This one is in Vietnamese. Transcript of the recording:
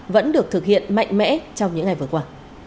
vẫn được thực hiện mạnh mẽ trong những ngày vừa qua